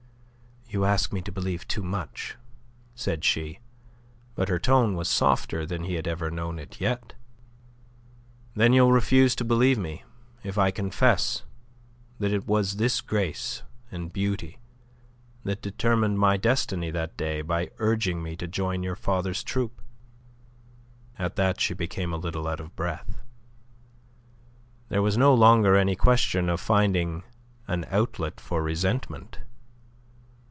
"You ask me to believe too much," said she, but her tone was softer than he had ever known it yet. "Then you'll refuse to believe me if I confess that it was this grace and beauty that determined my destiny that day by urging me to join your father's troupe." At that she became a little out of breath. There was no longer any question of finding an outlet for resentment.